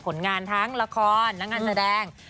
ผลงานทั้งละครและงานแสดง